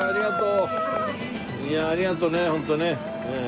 いやありがとうねホントね。